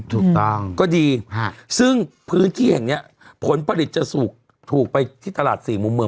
ถูกต้องก็ดีซึ่งพื้นที่แห่งนี้ผลผลิตจะถูกไปที่ตลาดสี่มุมเมือง